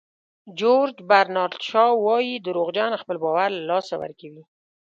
جیورج برنارد شاو وایي دروغجن خپل باور له لاسه ورکوي.